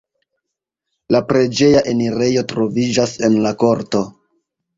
La preĝeja enirejo troviĝas en la korto.